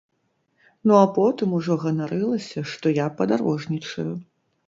Ну а потым ужо ганарылася, што я падарожнічаю.